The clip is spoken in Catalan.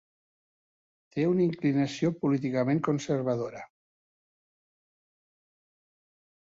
Té una inclinació políticament conservadora.